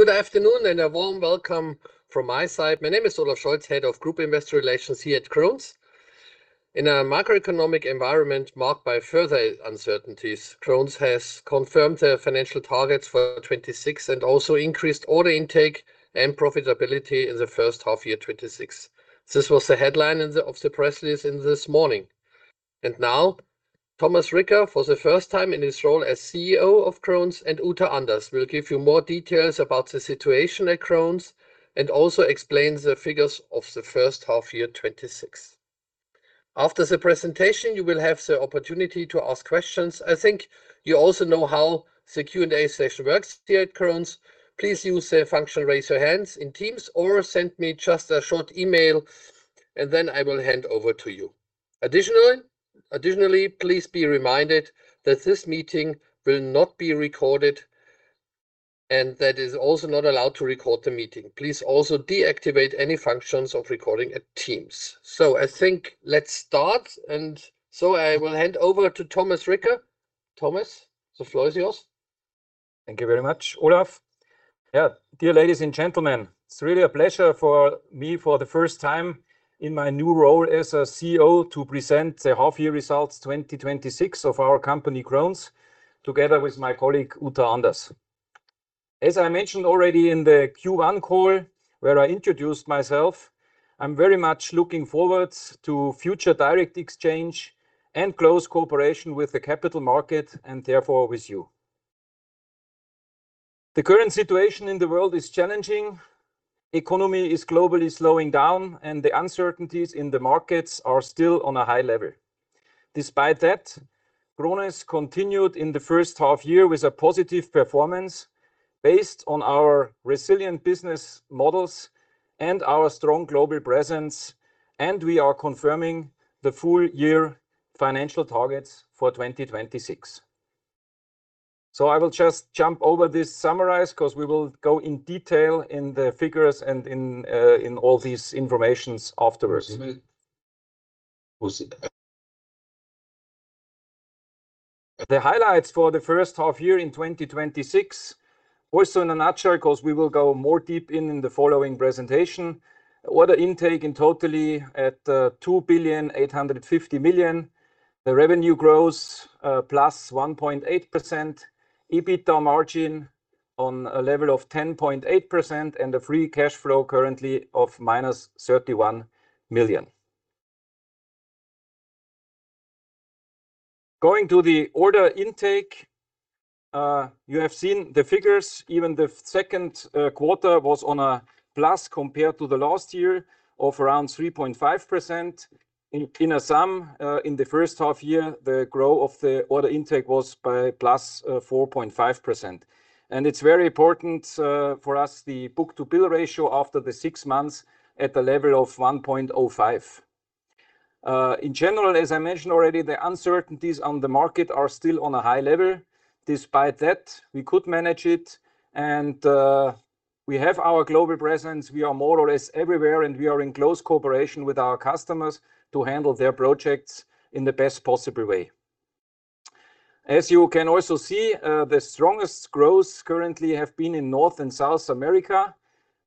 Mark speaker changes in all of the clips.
Speaker 1: Good afternoon. A warm welcome from my side. My name is Olaf Scholz, Head of Group Investor Relations here at Krones. In a macroeconomic environment marked by further uncertainties, Krones has confirmed their financial targets for 2026 and also increased order intake and profitability in the first half year 2026. This was the headline of the press release this morning. Now, Thomas Ricker, for the first time in his role as CEO of Krones, and Uta Anders will give you more details about the situation at Krones and also explain the figures of the first half year 2026. After the presentation, you will have the opportunity to ask questions. I think you also know how the Q&A session works here at Krones. Please use the function raise your hands in Teams or send me just a short email. Then I will hand over to you. Additionally, please be reminded that this meeting will not be recorded and that it is also not allowed to record the meeting. Please also deactivate any functions of recording at Teams. I think, let's start. I will hand over to Thomas Ricker. Thomas, the floor is yours.
Speaker 2: Thank you very much, Olaf. Dear ladies and gentlemen, it's really a pleasure for me, for the first time in my new role as a CEO, to present the half year results 2026 of our company, Krones, together with my colleague, Uta Anders. As I mentioned already in the Q1 call where I introduced myself, I am very much looking forward to future direct exchange and close cooperation with the capital market. Therefore with you, the current situation in the world is challenging. Economy is globally slowing down. The uncertainties in the markets are still on a high level. Despite that, Krones continued in the first half year with a positive performance based on our resilient business models and our strong global presence. We are confirming the full year financial targets for 2026. I will just jump over this summary, because we will go in detail in the figures and in all this information afterwards. The highlights for the first half year in 2026, also in a nutshell, because we will go more deep in the following presentation. Order intake in totally at 2.85 billion. The revenue grows +1.8%. EBITDA margin on a level of 10.8%. The free cash flow currently of -31 million. Going to the order intake, you have seen the figures. Even the second quarter was on a plus compared to the last year of around 3.5%. In a sum, in the first half year, the growth of the order intake was by +4.5%. It's very important, for us, the book-to-bill ratio after the six months at the level of 1.05. In general, as I mentioned already, the uncertainties on the market are still on a high level. Despite that, we could manage it and we have our global presence. We are more or less everywhere, and we are in close cooperation with our customers to handle their projects in the best possible way. As you can also see, the strongest growths currently have been in North and South America.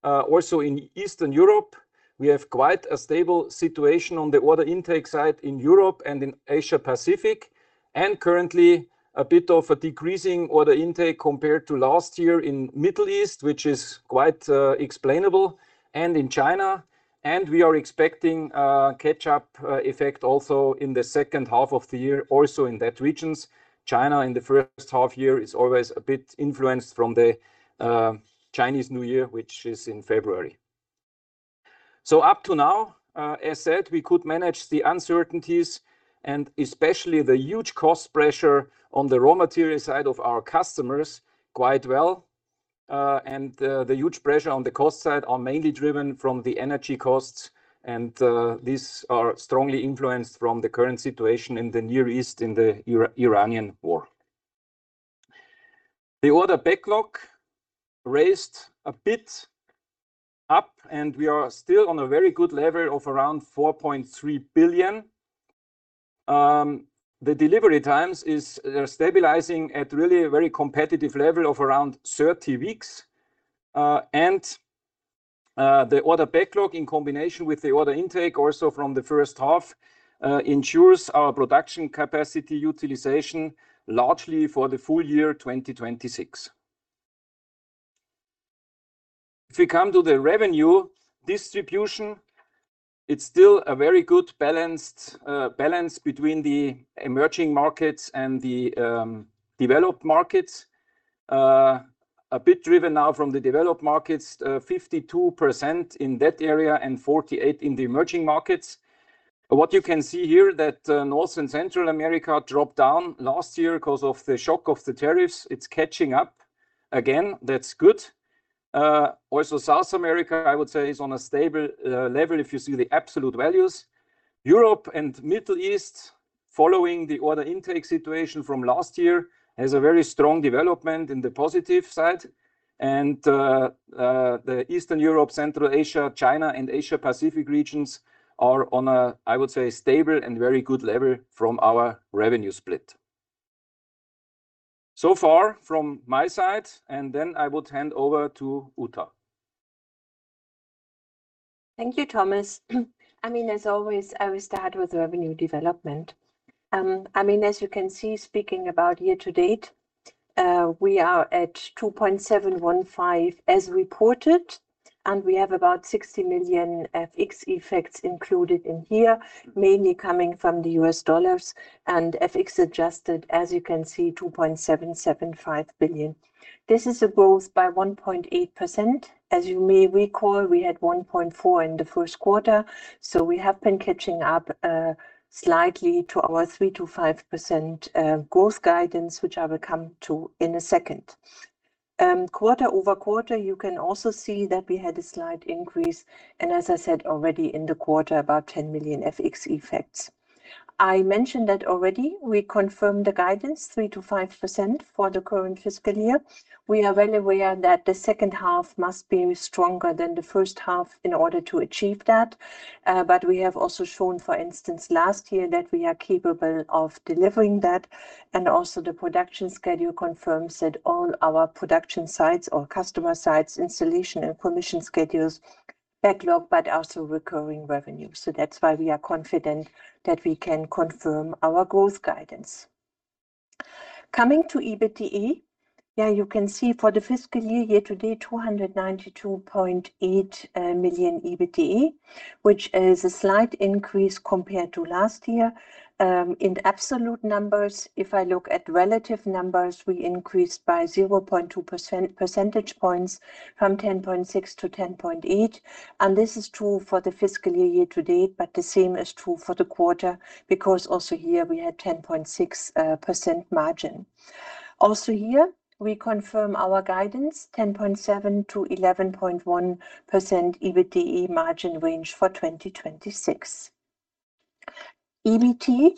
Speaker 2: In Eastern Europe. We have quite a stable situation on the order intake side in Europe and in Asia-Pacific, and currently a bit of a decreasing order intake compared to last year in Middle East, which is quite explainable, and in China. We are expecting a catch-up effect also in the second half of the year also in that regions. China in the first half year is always a bit influenced from the Chinese New Year, which is in February. Up to now, as said, we could manage the uncertainties and especially the huge cost pressure on the raw material side of our customers quite well. The huge pressure on the cost side are mainly driven from the energy costs, and these are strongly influenced from the current situation in the Near East in the Iranian war. The order backlog raised a bit up, and we are still on a very good level of around 4.3 billion. The delivery times is stabilizing at really a very competitive level of around 30 weeks. The order backlog in combination with the order intake, also from the first half, ensures our production capacity utilization largely for the full year 2026. If we come to the revenue distribution, it's still a very good balance between the emerging markets and the developed markets. A bit driven now from the developed markets, 52% in that area and 48% in the emerging markets. What you can see here, that North and Central America dropped down last year because of the shock of the tariffs. It's catching up again. That's good. South America, I would say, is on a stable level if you see the absolute values. Europe and Middle East, following the order intake situation from last year, has a very strong development in the positive side. The Eastern Europe, Central Asia, China, and Asia-Pacific regions are on a, I would say, stable and very good level from our revenue split So far from my side, and then I will hand over to Uta.
Speaker 3: Thank you, Thomas. As always, I will start with revenue development. As you can see, speaking about year to date, we are at 2.715 billion as reported, and we have about 60 million FX effects included in here, mainly coming from the U.S. dollars and FX adjusted, as you can see, 2.775 billion. This is a growth by 1.8%. As you may recall, we had 1.4% in the first quarter. We have been catching up slightly to our 3%-5% growth guidance, which I will come to in a second. Quarter-over-quarter, you can also see that we had a slight increase, as I said already in the quarter, about 10 million FX effects. I mentioned that already, we confirmed the guidance 3%-5% for the current fiscal year. We are well aware that the second half must be stronger than the first half in order to achieve that. We have also shown, for instance, last year, that we are capable of delivering that, and also the production schedule confirms that all our production sites or customer sites, installation and permission schedules, backlog, but also recurring revenue. That's why we are confident that we can confirm our growth guidance. Coming to EBITDA, you can see for the fiscal year to date, 292.8 million EBITDA, which is a slight increase compared to last year. In absolute numbers, if I look at relative numbers, we increased by 0.2 percentage points from 10.6% to 10.8%. This is true for the fiscal year to date, but the same is true for the quarter because also here we had 10.6% margin. Here, we confirm our guidance 10.7%-11.1% EBITDA margin range for 2026. EBT,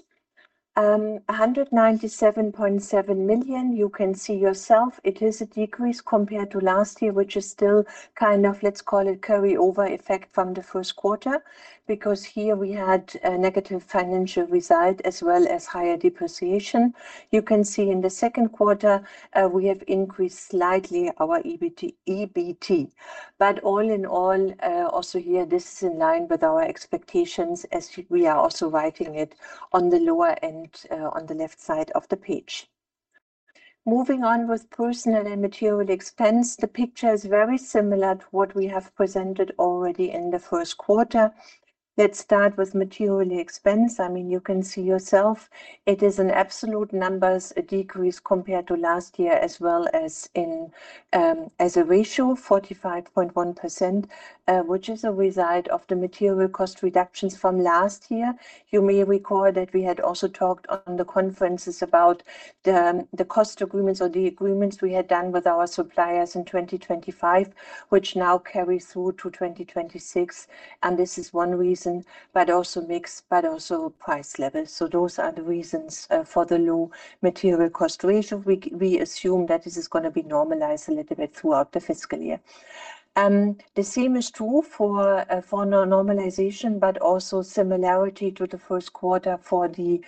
Speaker 3: 197.7 million. You can see yourself it is a decrease compared to last year, which is still kind of, let's call it carryover effect from the first quarter, because here we had a negative financial result as well as higher depreciation. You can see in the second quarter, we have increased slightly our EBT. All in all, here, this is in line with our expectations as we are also writing it on the lower end on the left side of the page. Moving on with personnel and material expense, the picture is very similar to what we have presented already in the first quarter. Let's start with material expense. You can see yourself it is an absolute numbers decrease compared to last year, as well as a ratio 45.1%, which is a result of the material cost reductions from last year. You may recall that we had also talked on the conferences about the cost agreements or the agreements we had done with our suppliers in 2025, which now carry through to 2026. This is one reason, but also price levels. Those are the reasons for the low material cost ratio. We assume that this is going to be normalized a little bit throughout the fiscal year. The same is true for normalization, but also similarity to the first quarter for the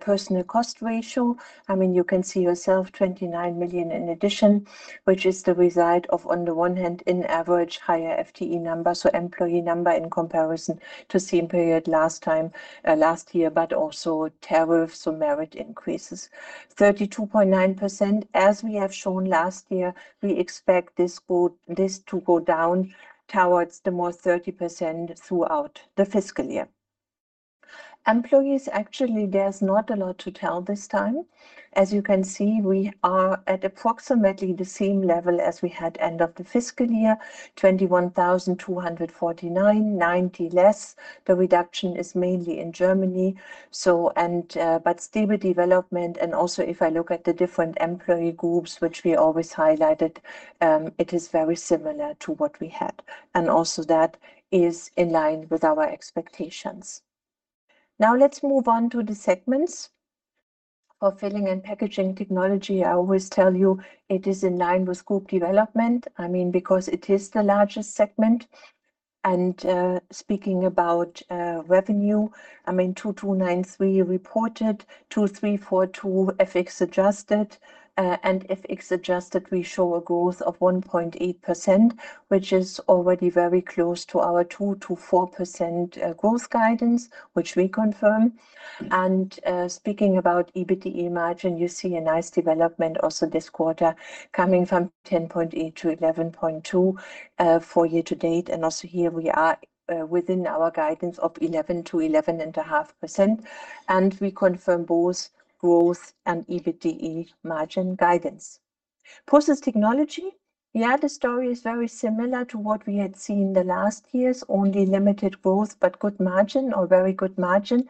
Speaker 3: personnel cost ratio. You can see yourself 29 million in addition, which is the result of, on the one hand, in average, higher FTE numbers, so employee number in comparison to same period last time, last year, but also tariffs or merit increases. 32.9%, as we have shown last year, we expect this to go down towards the more 30% throughout the fiscal year. Employees, actually, there's not a lot to tell this time. As you can see, we are at approximately the same level as we had end of the fiscal year, 21,249, 90 less. The reduction is mainly in Germany. Stable development, if I look at the different employee groups, which we always highlighted, it is very similar to what we had. Also that is in line with our expectations. Let's move on to the segments. For Filling and Packaging Technology, I always tell you it is in line with group development, because it is the largest segment. Speaking about revenue, 2,293 reported, 2,342 FX adjusted. FX adjusted we show a growth of 1.8%, which is already very close to our 2%-4% growth guidance, which we confirm. Speaking about EBITDA margin, you see a nice development also this quarter coming from 10.8% to 11.2% for year-to-date. Also here we are within our guidance of 11%-11.5%, and we confirm both growth and EBITDA margin guidance. Process Technology. The story is very similar to what we had seen the last years. Only limited growth, but good margin, or very good margin.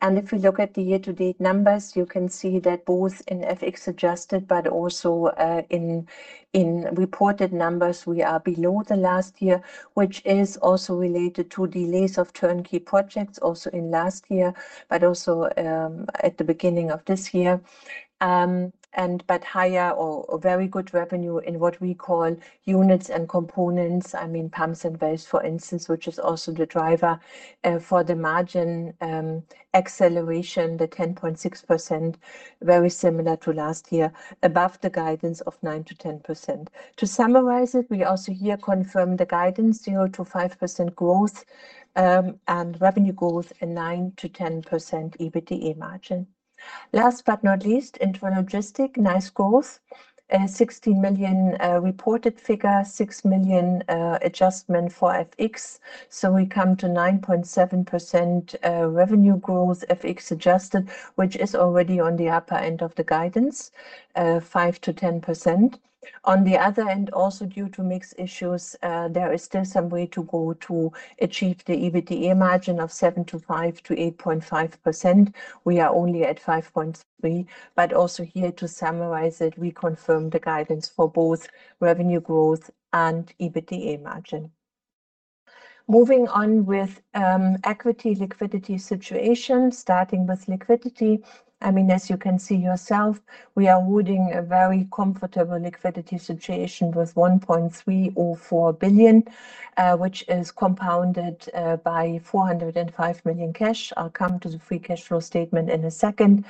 Speaker 3: If we look at the year-to-date numbers, you can see that both in FX adjusted, but also in reported numbers, we are below the last year, which is also related to delays of turnkey projects also in last year, but also at the beginning of this year. Higher or very good revenue in what we call units and components, pumps and valves, for instance, which is also the driver for the margin acceleration, the 10.6%, very similar to last year, above the guidance of 9%-10%. To summarize it, we also here confirm the guidance 0%-5% growth, and revenue growth a 9%-10% EBITDA margin. Last but not least, Intralogistics, nice growth. 16 million reported figure, 6 million adjustment for FX. We come to 9.7% revenue growth FX adjusted, which is already on the upper end of the guidance, 5%-10%. On the other end, also due to mix issues, there is still some way to go to achieve the EBITDA margin of 7.5%-8.5%. We are only at 5.3%. Also here to summarize it, we confirm the guidance for both revenue growth and EBITDA margin. Moving on with equity liquidity situation, starting with liquidity. As you can see yourself, we are holding a very comfortable liquidity situation with 1.304 billion, which is compounded by 405 million cash. I will come to the free cash flow statement in a second.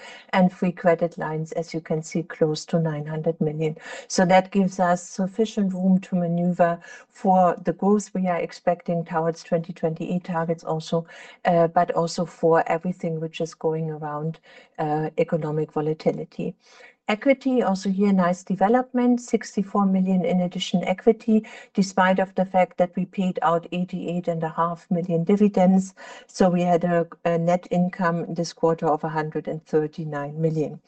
Speaker 3: Free credit lines, as you can see, close to 900 million. That gives us sufficient room to maneuver for the growth we are expecting towards 2028 targets also, but also for everything which is going around economic volatility. Equity, also here, nice development, 64 million in addition equity, despite of the fact that we paid out 88 and a half million dividends. We had a net income this quarter of 139 million.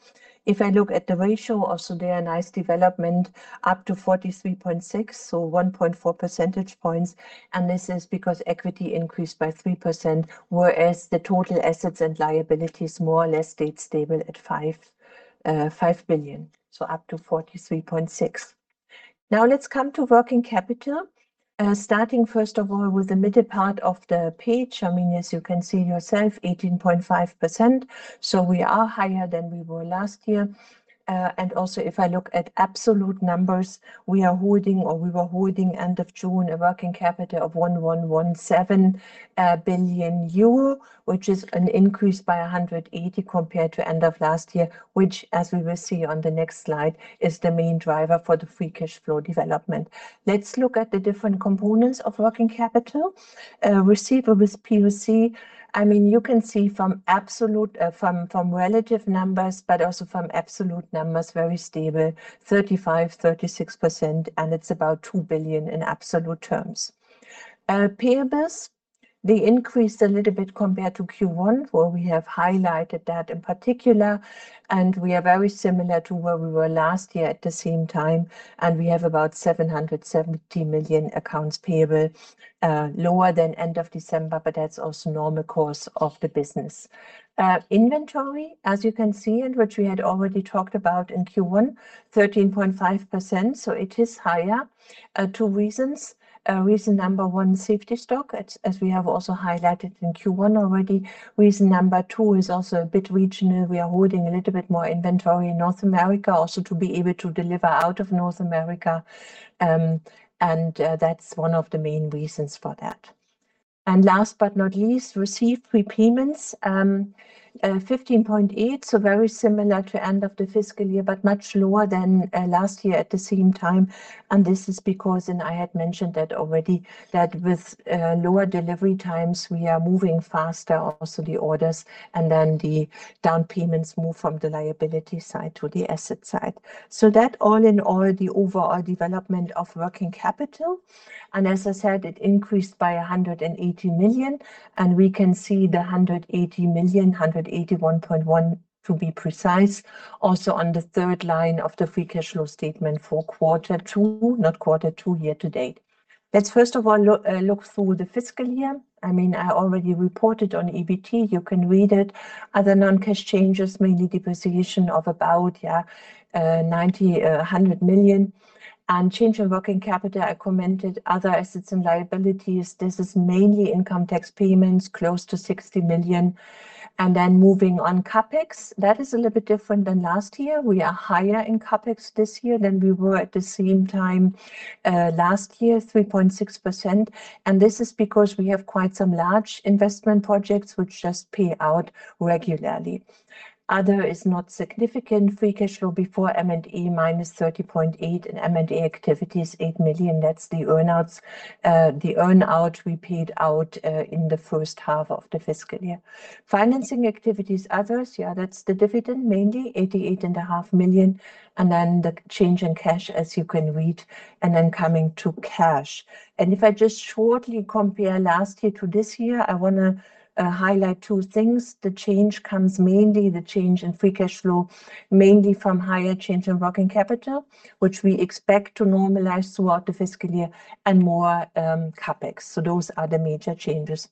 Speaker 3: If I look at the ratio also there a nice development up to 43.6%, 1.4 percentage points, and this is because equity increased by 3%, whereas the total assets and liabilities more or less stayed stable at 5 billion. Up to 43.6%. Let's come to working capital. Starting, first of all, with the middle part of the page. As you can see yourself, 18.5%. We are higher than we were last year. Also, if I look at absolute numbers, we are holding, or we were holding end of June, a working capital of 1.117 billion euro, which is an increase by 180 compared to end of last year, which, as we will see on the next slide, is the main driver for the free cash flow development. Let's look at the different components of working capital. Receivable POC. You can see from relative numbers, but also from absolute numbers, very stable, 35%, 36%, and it's about 2 billion in absolute terms. Payables, they increased a little bit compared to Q1, where we have highlighted that in particular, and we are very similar to where we were last year at the same time, and we have about 770 million accounts payable, lower than end of December, but that's also normal course of the business. Inventory, as you can see, and which we had already talked about in Q1, 13.5%, so it is higher. Two reasons. Reason number one, safety stock, as we have also highlighted in Q1 already. Reason number two is also a bit regional. We are holding a little bit more inventory in North America also to be able to deliver out of North America, and that's one of the main reasons for that. Last but not least, received prepayments, 15.8%. Very similar to end of the fiscal year, but much lower than last year at the same time. This is because, and I had mentioned that already, that with lower delivery times, we are moving faster also the orders, and then the down payments move from the liability side to the asset side. That all in all, the overall development of working capital. As I said, it increased by 180 million, we can see the 180 million, 181.1 million to be precise, also on the third line of the free cash flow statement for quarter two, not quarter two, year to date. Let's first of all look through the fiscal year. I already reported on EBT. You can read it. Other non-cash changes, mainly depreciation of about 90 million-100 million. Change in working capital, I commented. Other assets and liabilities. This is mainly income tax payments, close to 60 million. Moving on, CapEx. That is a little bit different than last year. We are higher in CapEx this year than we were at the same time last year, 3.6%. This is because we have quite some large investment projects which just pay out regularly. Other is not significant. Free cash flow before M&A -30.8 million, M&A activity is 8 million. That's the earn-out we paid out in the first half of the fiscal year. Financing activities, others, that's the dividend, mainly 88.5 million. The change in cash, as you can read, coming to cash. If I just shortly compare last year to this year, I want to highlight two things. The change comes mainly, the change in free cash flow, mainly from higher change in working capital, which we expect to normalize throughout the fiscal year and more CapEx. Those are the major changes.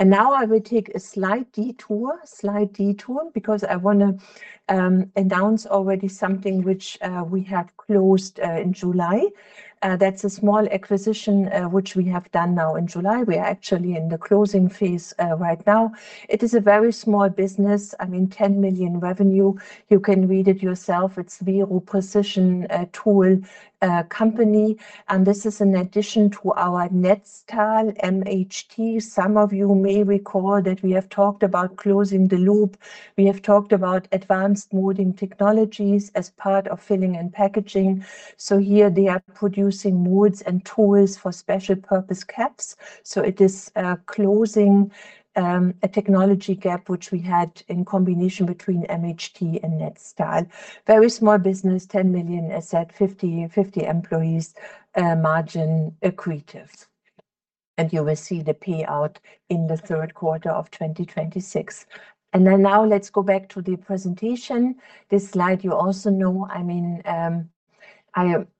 Speaker 3: Now I will take a slight detour because I want to announce already something which we have closed in July. That's a small acquisition which we have done now in July. We are actually in the closing phase right now. It is a very small business. I mean, 10 million revenue. You can read it yourself. It's WIRO Precision Tool company, and this is in addition to our Netstal MHT. Some of you may recall that we have talked about closing the loop. We have talked about advanced molding technologies as part of filling and packaging. So here they are producing molds and tools for special-purpose caps. It is closing a technology gap, which we had in combination between MHT and Netstal. Very small business, 10 million, as said, 50 employees, margin accretive. You will see the payout in the third quarter of 2026. Now let's go back to the presentation. This slide you also know.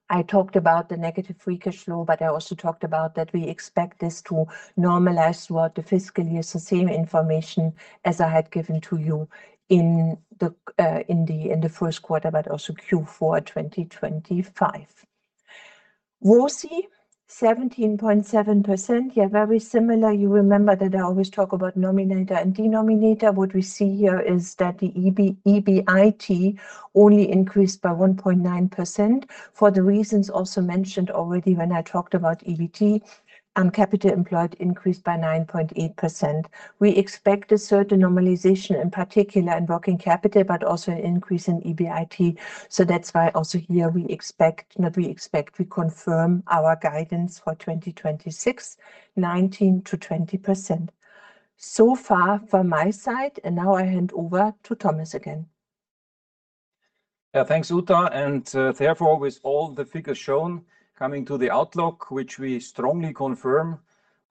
Speaker 3: I talked about the negative free cash flow, but I also talked about that we expect this to normalize throughout the fiscal year. It's the same information as I had given to you in the first quarter, but also Q4 2025. ROCE, 17.7%. Yeah, very similar. You remember that I always talk about nominator and denominator. What we see here is that the EBIT only increased by 1.9% for the reasons also mentioned already when I talked about EBIT. Capital employed increased by 9.8%. We expect a certain normalization, in particular in working capital, but also an increase in EBIT. That's why also here we expect-- not we expect, we confirm our guidance for 2026, 19%-20%. Far from my side, now I hand over to Thomas again.
Speaker 2: Thanks, Uta. Therefore, with all the figures shown, coming to the outlook, which we strongly confirm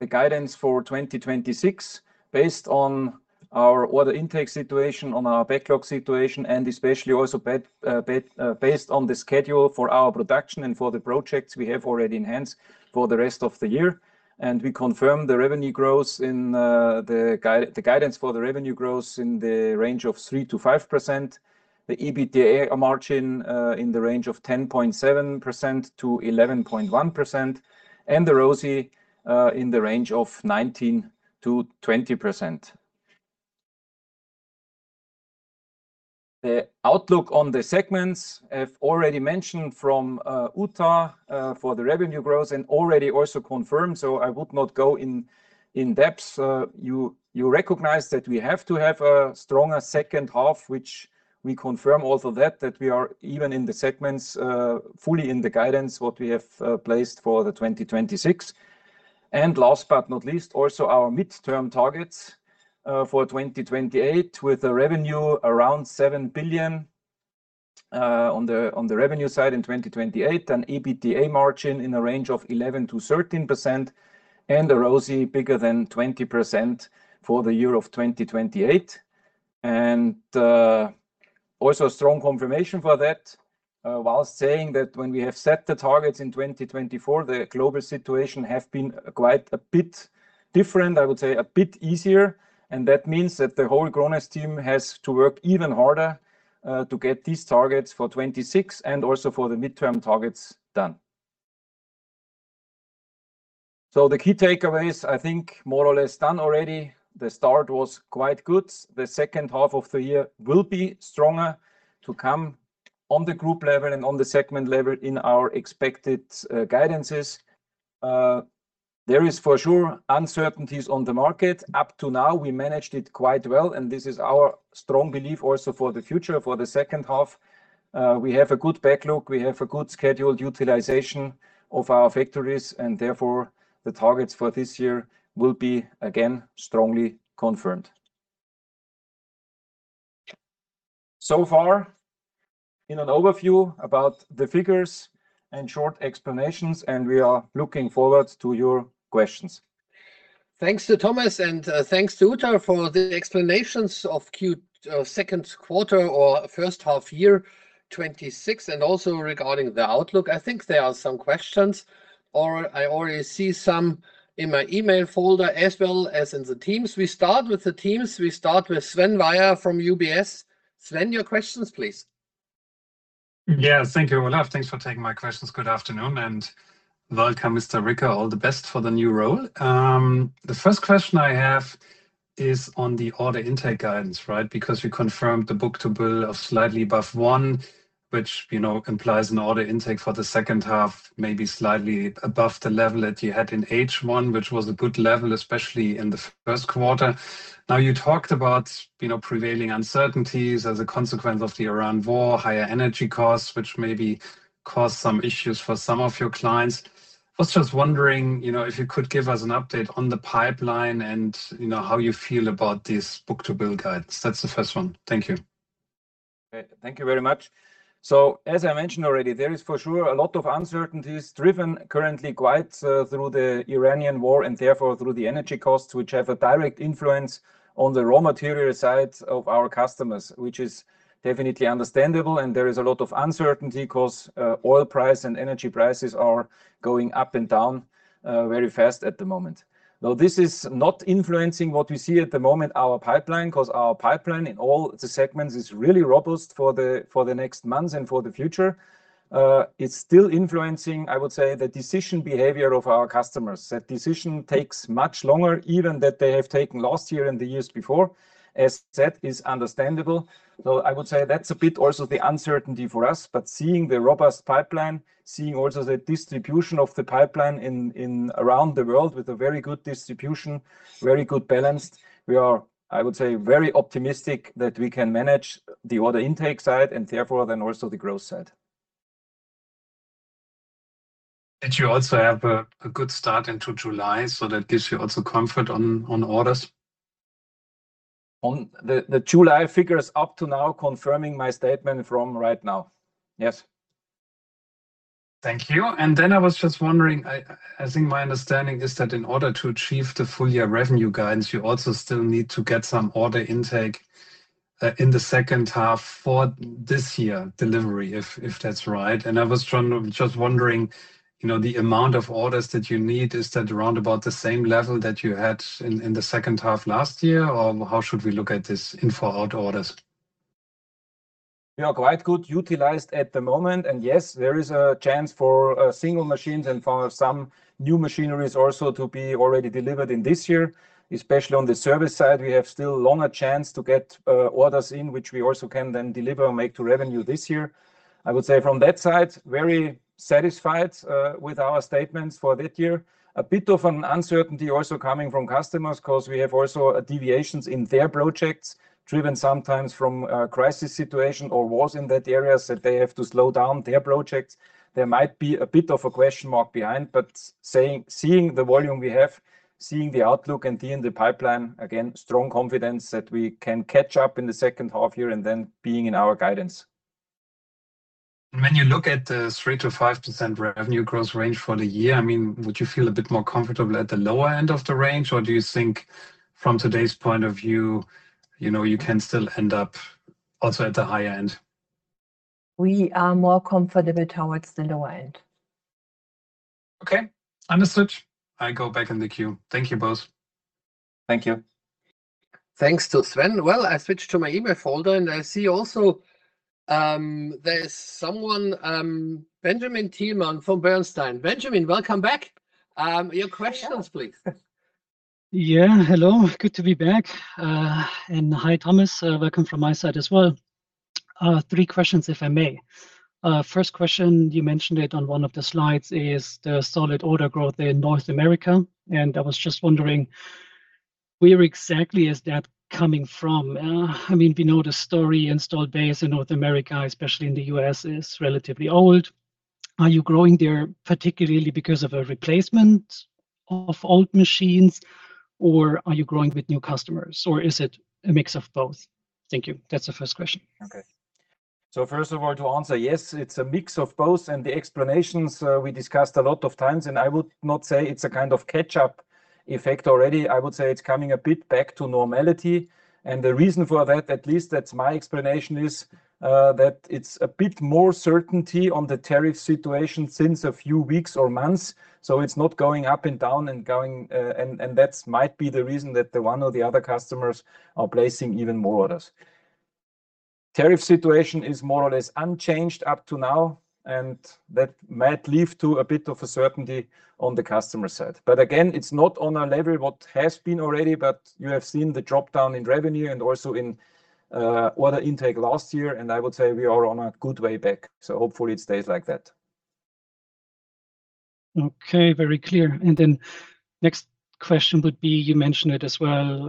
Speaker 2: the guidance for 2026 based on our order intake situation, on our backlog situation, and especially also based on the schedule for our production and for the projects we have already enhanced for the rest of the year. We confirm the revenue growth in the guidance for the revenue growth in the range of 3%-5%, the EBITDA margin in the range of 10.7%-11.1%, and the ROCE in the range of 19%-20%. The outlook on the segments, I've already mentioned from Uta for the revenue growth and already also confirmed, I would not go in depth. You recognize that we have to have a stronger second half, which we confirm also that we are even in the segments fully in the guidance, what we have placed for 2026. Last but not least, also our midterm targets for 2028, with a revenue around 7 billion on the revenue side in 2028, an EBITDA margin in the range of 11%-13%, and a ROCE bigger than 20% for the year of 2028. Also strong confirmation for that, while saying that when we have set the targets in 2024, the global situation have been quite a bit different, I would say a bit easier, and that means that the whole Krones team has to work even harder to get these targets for 2026 and also for the midterm targets done. The key takeaways, I think more or less done already. The start was quite good. The second half of the year will be stronger to come on the group level and on the segment level in our expected guidances. There is for sure, uncertainties on the market. Up to now, we managed it quite well, and this is our strong belief also for the future, for the second half. We have a good backlog. We have a good scheduled utilization of our factories, and therefore, the targets for this year will be, again, strongly confirmed. So far, an overview about the figures and short explanations. We are looking forward to your questions.
Speaker 1: Thanks to Thomas and thanks to Uta for the explanations of second quarter or first half year 2026, and also regarding the outlook. I think there are some questions, or I already see some in my email folder as well as in the Teams. We start with the Teams. We start with Sven Weier from UBS. Sven, your questions, please.
Speaker 4: Yeah. Thank you, Olaf. Thanks for taking my questions. Good afternoon, and welcome, Mr. Ricker. All the best for the new role. The first question I have is on the order intake guidance, right? Because you confirmed the book-to-bill of slightly above one Which implies an order intake for the second half, maybe slightly above the level that you had in H1, which was a good level, especially in the first quarter. Now you talked about prevailing uncertainties as a consequence of the Iran war, higher energy costs, which maybe caused some issues for some of your clients. I was just wondering if you could give us an update on the pipeline and how you feel about these book-to-bill guidance. That's the first one. Thank you.
Speaker 2: Thank you very much. As I mentioned already, there is for sure a lot of uncertainties driven currently quite through the Ukrainian war, and therefore through the energy costs, which have a direct influence on the raw material side of our customers, which is definitely understandable, and there is a lot of uncertainty because oil price and energy prices are going up and down very fast at the moment. This is not influencing what we see at the moment, our pipeline, because our pipeline in all the segments is really robust for the next months and for the future. It's still influencing, I would say, the decision behavior of our customers. That decision takes much longer, even that they have taken last year and the years before. As said, is understandable. I would say that's a bit also the uncertainty for us. Seeing the robust pipeline, seeing also the distribution of the pipeline around the world with a very good distribution, very good balance, we are, I would say, very optimistic that we can manage the order intake side and therefore then also the growth side.
Speaker 4: You also have a good start into July, that gives you also comfort on orders?
Speaker 2: The July figures up to now confirming my statement from right now. Yes.
Speaker 4: Thank you. I was just wondering, I think my understanding is that in order to achieve the full year revenue guidance, you also still need to get some order intake in the second half for this year delivery, if that's right. I was just wondering, the amount of orders that you need, is that around about the same level that you had in the second half last year? Or how should we look at this in for/out orders?
Speaker 2: We are quite good utilized at the moment, yes, there is a chance for single machines and for some new machineries also to be already delivered in this year. Especially on the service side, we have still longer chance to get orders in which we also can then deliver or make to revenue this year. I would say from that side, very satisfied with our statements for that year. A bit of an uncertainty also coming from customers because we have also deviations in their projects, driven sometimes from a crisis situation or wars in that area, so they have to slow down their projects. There might be a bit of a question mark behind, but seeing the volume we have, seeing the outlook and seeing the pipeline, again, strong confidence that we can catch up in the second half year and then being in our guidance.
Speaker 4: When you look at the 3%-5% revenue growth range for the year, would you feel a bit more comfortable at the lower end of the range, or do you think from today's point of view, you can still end up also at the higher end?
Speaker 3: We are more comfortable towards the lower end.
Speaker 4: Okay. Understood. I go back in the queue. Thank you both.
Speaker 2: Thank you.
Speaker 1: Thanks to Sven. Well, I switch to my email folder and I see also there is someone, Benjamin Thielmann from Bernstein. Benjamin, welcome back. Your questions, please.
Speaker 5: Yeah. Hello. Good to be back. Hi, Thomas. Welcome from my side as well. Three questions, if I may. First question, you mentioned it on one of the slides, is the solid order growth in North America, and I was just wondering where exactly is that coming from? We know the story, installed base in North America, especially in the U.S., is relatively old. Are you growing there particularly because of a replacement of old machines, or are you growing with new customers, or is it a mix of both? Thank you. That's the first question.
Speaker 2: First of all, to answer, yes, it's a mix of both. The explanations we discussed a lot of times. I would not say it's a kind of catch-up effect already. I would say it's coming a bit back to normality. The reason for that, at least that's my explanation, is that it's a bit more certainty on the tariff situation since a few weeks or months, so it's not going up and down. That might be the reason that the one or the other customers are placing even more orders. Tariff situation is more or less unchanged up to now, and that might lead to a bit of a certainty on the customer side. Again, it's not on a level what has been already. You have seen the drop-down in revenue and also in order intake last year. I would say we are on a good way back. Hopefully it stays like that.
Speaker 5: Okay. Very clear. Next question would be, you mentioned it as well,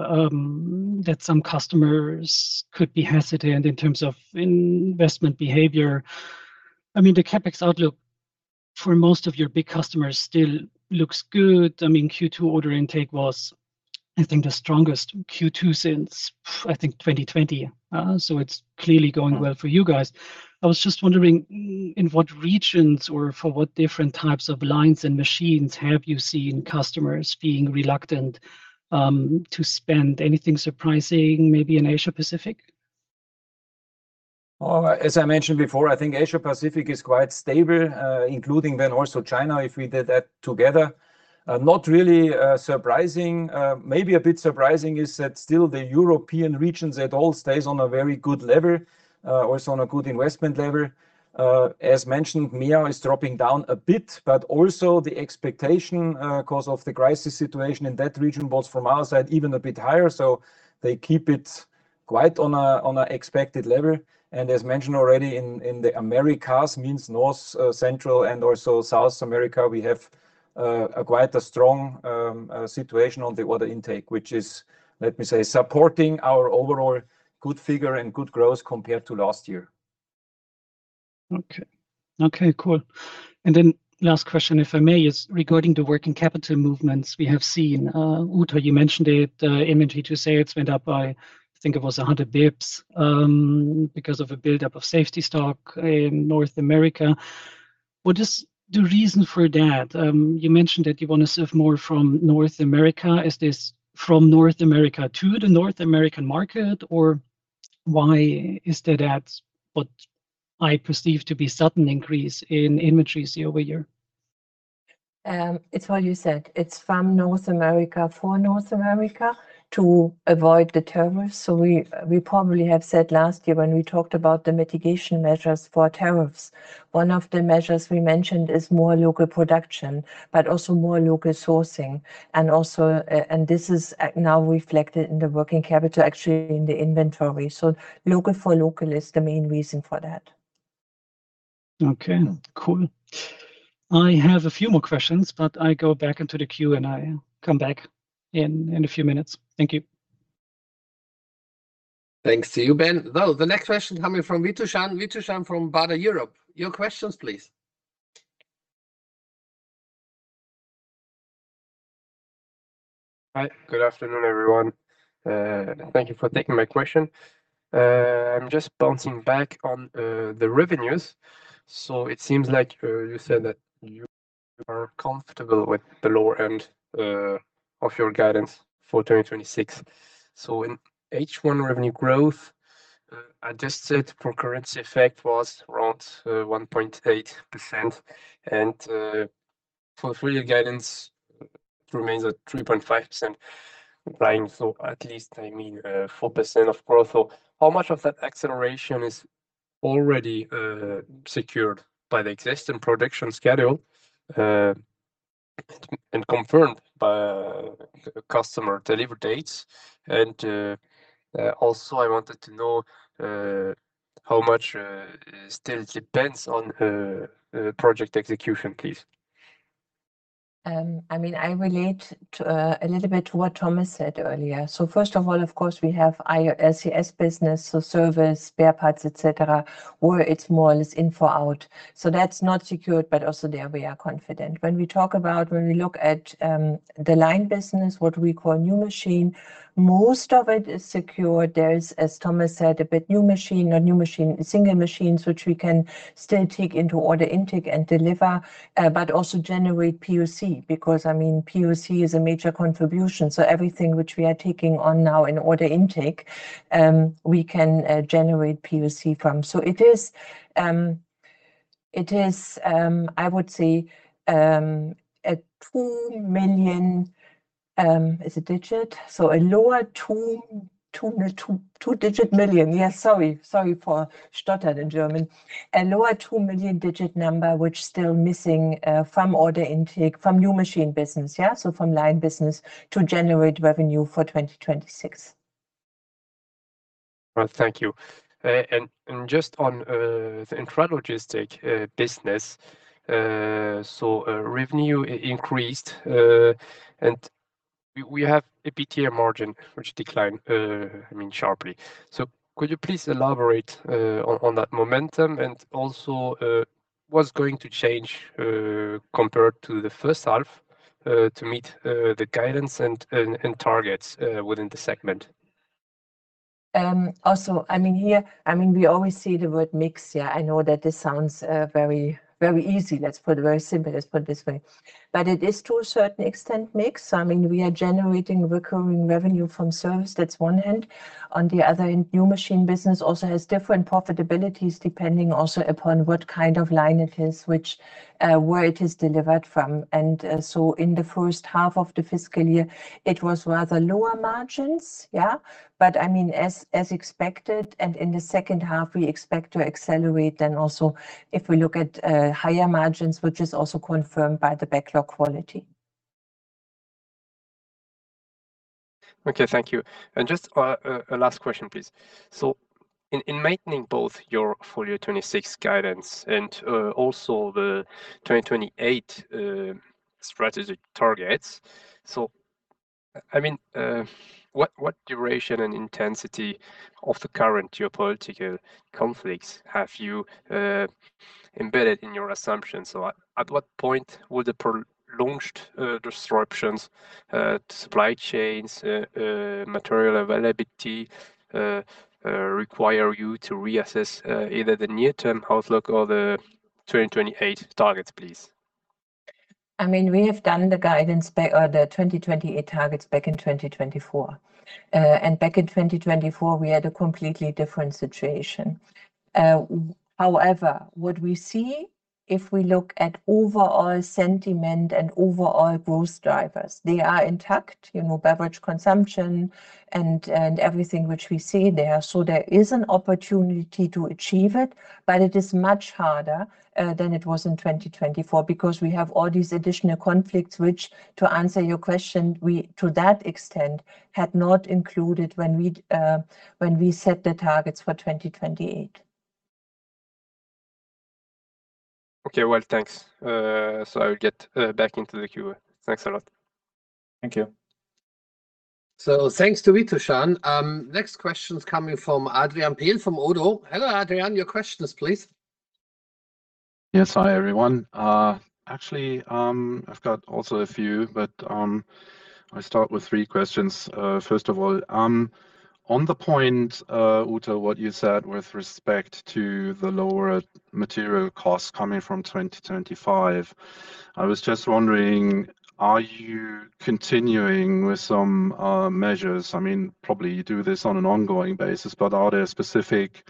Speaker 5: that some customers could be hesitant in terms of investment behavior. The CapEx outlook for most of your big customers still looks good. Q2 order intake was, I think, the strongest Q2 since, I think, 2020. It's clearly going well for you guys. I was just wondering in what regions or for what different types of lines and machines have you seen customers being reluctant to spend? Anything surprising, maybe in Asia-Pacific?
Speaker 2: As I mentioned before, I think Asia-Pacific is quite stable, including then also China, if we did that together. Not really surprising. Maybe a bit surprising is that still the European regions at all stays on a very good level, also on a good investment level. As mentioned, MEA is dropping down a bit, but also the expectation because of the crisis situation in that region, both from our side, even a bit higher. They keep it quite on an expected level. As mentioned already in the Americas, means North, Central, and also South America, we have quite a strong situation on the order intake, which is, let me say, supporting our overall good figure and good growth compared to last year.
Speaker 5: Okay. Cool. Last question, if I may, is regarding the working capital movements we have seen. Uta, you mentioned it, inventories went up by, I think it was 100 basis points, because of a buildup of safety stock in North America. What is the reason for that? You mentioned that you want to serve more from North America. Is this from North America to the North American market, or why is that what I perceive to be sudden increase in inventories year-over-year?
Speaker 3: It's what you said. It's from North America for North America to avoid the tariffs. We probably have said last year when we talked about the mitigation measures for tariffs, one of the measures we mentioned is more local production, also more local sourcing. This is now reflected in the working capital, actually in the inventory. Local for local is the main reason for that.
Speaker 5: Okay, cool. I have a few more questions, I go back into the queue and I come back in a few minutes. Thank you.
Speaker 1: Thanks to you, Ben. The next question coming from Vitushan. Vitushan from Baader Europe. Your questions, please.
Speaker 6: Hi. Good afternoon, everyone. Thank you for taking my question. I'm just bouncing back on the revenues. It seems like you said that you are comfortable with the lower end of your guidance for 2026. In H1 revenue growth, adjusted for currency effect was around 1.8%, and for full year guidance remains at 3.5% decline. At least, I mean, 4% of growth. How much of that acceleration is already secured by the existing production schedule, and confirmed by customer delivery dates? Also I wanted to know how much still depends on project execution, please.
Speaker 3: I relate a little bit to what Thomas said earlier. First of all, of course, we have our SCS business, service, spare parts, et cetera, where it's more or less in for out. That's not secured, but also there we are confident. When we look at the line business, what we call new machine, most of it is secure. There is, as Thomas said, a bit new machine, single machines which we can still take into order intake and deliver, but also generate POC, because POC is a major contribution. Everything which we are taking on now in order intake, we can generate POC from. It is, I would say, a lower two-digit million. Yeah. Sorry for stuttered in German. A lower two-million-digit number which still missing from order intake from new machine business. Yeah? From line business to generate revenue for 2026.
Speaker 6: Right. Thank you. Just on the Intralogistics business, revenue increased, and we have EBITDA margin which declined sharply. Could you please elaborate on that momentum and also what's going to change, compared to the first half, to meet the guidance and targets within the segment?
Speaker 3: We always see the word mix. I know that this sounds very easy, let's put it this way. It is to a certain extent mix. We are generating recurring revenue from service, that's one hand. On the other, new machine business also has different profitabilities depending also upon what kind of line it is, where it is delivered from. In the first half of the fiscal year, it was rather lower margins. As expected, and in the second half, we expect to accelerate. Also if we look at higher margins, which is also confirmed by the backlog quality.
Speaker 6: Okay. Thank you. Just a last question, please. In maintaining both your full year 2026 guidance and also the 2028 strategy targets, what duration and intensity of the current geopolitical conflicts have you embedded in your assumptions? At what point will the prolonged disruptions, supply chains, material availability, require you to reassess either the near term outlook or the 2028 targets, please?
Speaker 3: We have done the 2028 targets back in 2024. Back in 2024, we had a completely different situation. However, what we see if we look at overall sentiment and overall growth drivers, they are intact, beverage consumption and everything which we see there. There is an opportunity to achieve it, but it is much harder than it was in 2024 because we have all these additional conflicts which, to answer your question, we to that extent had not included when we set the targets for 2028.
Speaker 6: Okay. Well, thanks. I will get back into the queue. Thanks a lot.
Speaker 3: Thank you.
Speaker 1: Thanks to Vitushan. Next question's coming from Adrian Pehl from ODDO. Hello, Adrian. Your questions, please.
Speaker 7: Yes. Hi, everyone. Actually, I've got also a few, but I start with three questions. First of all, on the point, Uta, what you said with respect to the lower material costs coming from 2025, I was just wondering, are you continuing with some measures? Probably you do this on an ongoing basis, but are there specific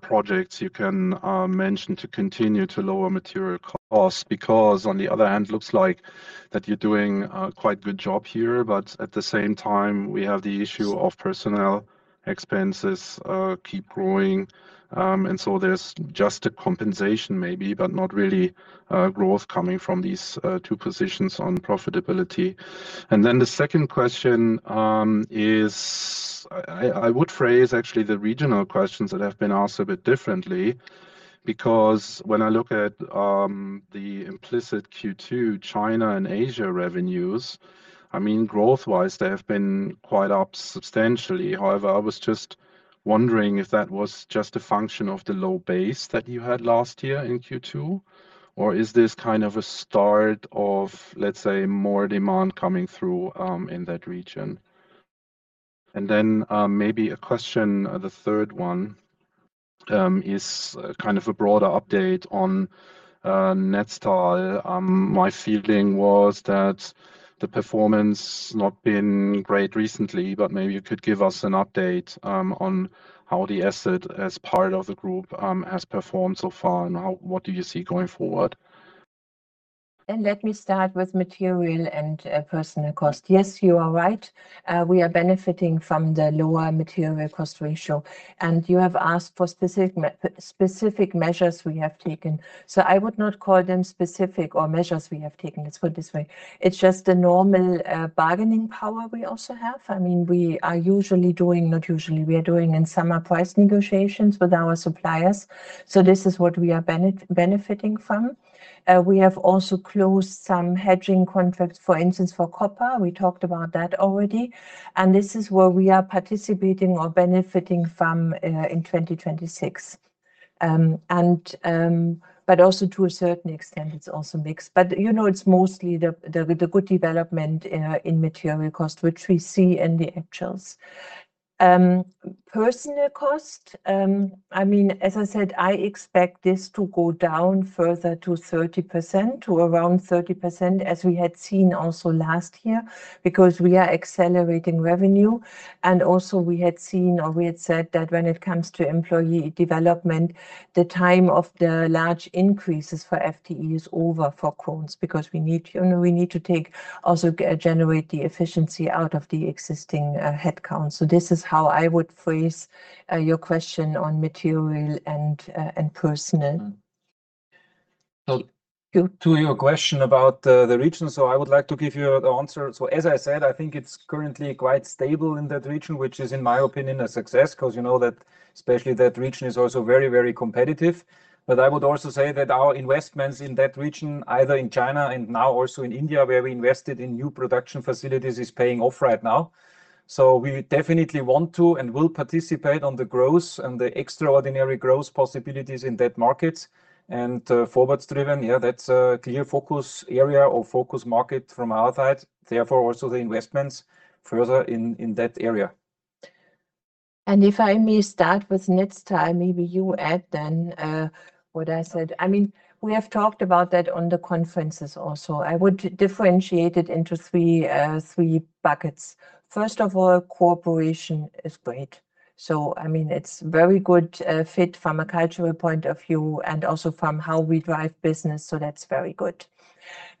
Speaker 7: projects you can mention to continue to lower material costs? Because on the other hand, looks like that you're doing a quite good job here, but at the same time, we have the issue of personnel expenses keep growing. There's just a compensation maybe, but not really growth coming from these two positions on profitability. The second question is, I would phrase actually the regional questions that have been asked a bit differently, because when I look at the implicit Q2 China and Asia revenues, growth-wise, they have been quite up substantially. However, I was just wondering if that was just a function of the low base that you had last year in Q2, or is this kind of a start of, let's say, more demand coming through, in that region? Maybe a question, the third one, is kind of a broader update on Netstal. My feeling was that the performance not been great recently, but maybe you could give us an update on how the asset as part of the group, has performed so far, and what do you see going forward?
Speaker 3: Let me start with material and personal cost. Yes, you are right. We are benefiting from the lower material cost ratio. You have asked for specific measures we have taken. I would not call them specific or measures we have taken, let's put it this way. It's just a normal bargaining power we also have. We are usually doing, not usually, we are doing in summer price negotiations with our suppliers. This is what we are benefiting from. We have also closed some hedging contracts, for instance, for copper. We talked about that already, and this is where we are participating or benefiting from in 2026. Also to a certain extent, it's also mixed. You know it's mostly the good development in material cost, which we see in the actuals. Personal cost, as I said, I expect this to go down further to 30%, to around 30%, as we had seen also last year, because we are accelerating revenue. Also we had seen, or we had said that when it comes to employee development, the time of the large increases for FTE is over for Krones because we need to also generate the efficiency out of the existing headcount. This is how I would phrase your question on material and personal.
Speaker 2: To your question about the region, I would like to give you the answer. As I said, I think it's currently quite stable in that region, which is, in my opinion, a success. You know that especially that region is also very competitive. I would also say that our investments in that region, either in China and now also in India, where we invested in new production facilities, is paying off right now. We definitely want to and will participate on the growth and the extraordinary growth possibilities in that market. Forwards driven, yeah, that's a clear focus area or focus market from our side. Therefore, also the investments further in that area.
Speaker 3: If I may start with Netstal, maybe you add then, what I said. We have talked about that on the conferences also. I would differentiate it into three buckets. First of all, cooperation is great. It's very good fit from a cultural point of view and also from how we drive business, that's very good.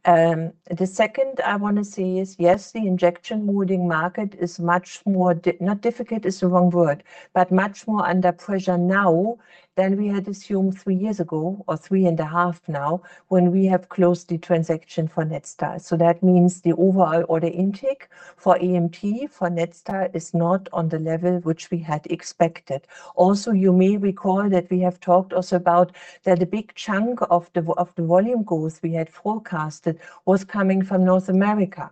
Speaker 3: The second I want to say is, yes, the injection molding market is much more, not difficult is the wrong word, but much more under pressure now than we had assumed three years ago or three and a half now, when we have closed the transaction for Netstal. That means the overall order intake for AMT, for Netstal is not on the level which we had expected. You may recall that we have talked also about that a big chunk of the volume growth we had forecasted was coming from North America.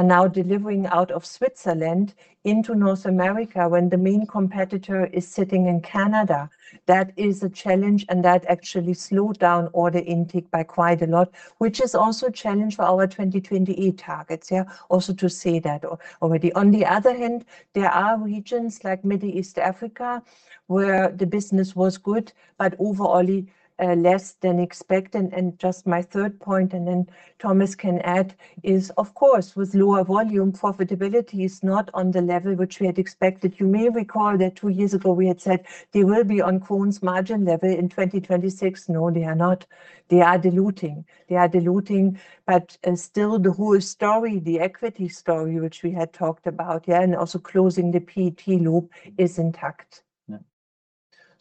Speaker 3: Now delivering out of Switzerland into North America when the main competitor is sitting in Canada, that is a challenge, and that actually slowed down order intake by quite a lot, which is also a challenge for our 2028 targets. Also to say that already. On the other hand, there are regions like Middle East Africa where the business was good, but overall less than expected. Just my third point, and then Thomas can add, is of course, with lower volume, profitability is not on the level which we had expected. You may recall that two years ago we had said they will be on Krones margin level in 2026. No, they are not. They are diluting. Still the whole story, the equity story which we had talked about here, and also closing the PT loop is intact.